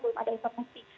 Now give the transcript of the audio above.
belum ada informasi